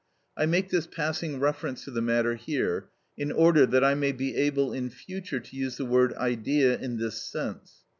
I make this passing reference to the matter here in order that I may be able in future to use the word Idea in this sense.